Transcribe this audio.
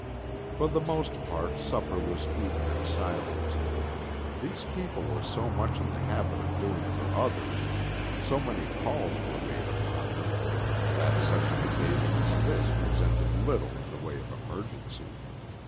For the most part supper was eaten in silence. These people were so much in the habit of doing for others, so many calls were made upon them, that such an occasion as this presented little in the way of emergency.